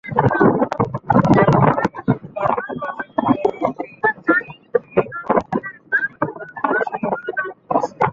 এমন টালমাটাল সপ্তাহটাকে হাসিতে রূপ দিলেন পরশু ঘরের মাঠে শালকের বিপক্ষে ম্যাচে।